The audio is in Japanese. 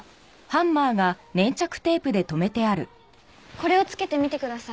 これをつけて見てください。